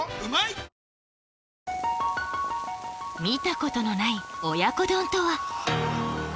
見たことのない親子丼とは？